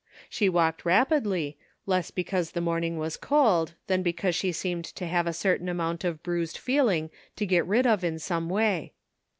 She walked rapidly, less because the morning was cold, than because she seemed to have a certain amount of bruised feeling to get rid of in some way.